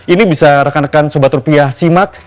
ini bisa rekan rekan sebat rupiah simak